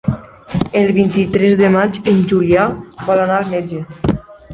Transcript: El vint-i-tres de maig en Julià vol anar al metge.